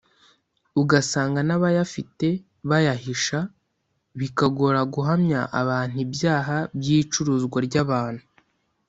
ugasanga n’abayafite bayahisha bikagora guhamya abantu ibyaha by’icuruzwa ry’abantu